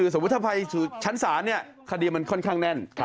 สมมุติถ้าไปสู่ชั้นศาลคดีมันค่อนข้างแน่น